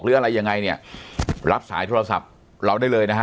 หรืออะไรยังไงเนี่ยรับสายโทรศัพท์เราได้เลยนะฮะ